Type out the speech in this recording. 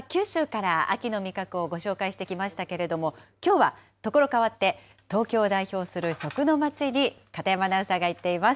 食欲の秋、今週は九州から秋の味覚をご紹介してきましたけれども、きょうはところかわって東京を代表する食のまちに片山アナウンサーが行っています。